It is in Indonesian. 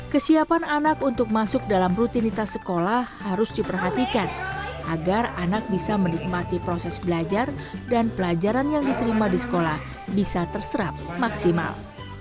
kesiapan anak untuk masuk dalam rutinitas sekolah harus diperhatikan agar anak bisa menikmati proses belajar dan pelajaran yang diterima di sekolah bisa terserap maksimal